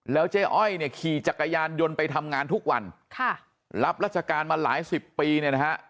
เจ๊อ้อยเนี่ยขี่จักรยานยนต์ไปทำงานทุกวันค่ะรับราชการมาหลายสิบปีเนี่ยนะฮะ